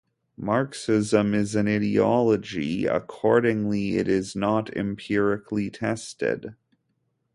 Marxism is an ideology, accordingly it is not empirically tested.